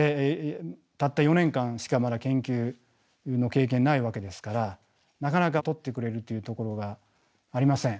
たった４年間しかまだ研究の経験ないわけですからなかなか採ってくれるというところがありません。